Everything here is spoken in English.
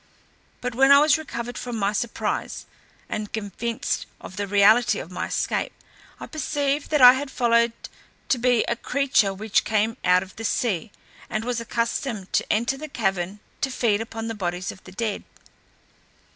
But when I was recovered from my surprise, and convinced of the reality of my escape, I perceived what I had followed to be a creature which came out of the sea, and was accustomed to enter the cavern and feed upon the bodies of the dead.